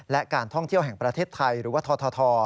และการท่องเที่ยวแห่งประเทศไทยหรือว่าทท